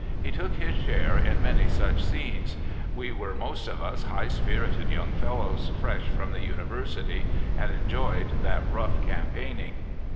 He took his share in many such scenes. " We were most of us high spirited young fellows, fresh from the University, and enjoyed that rough campaigning."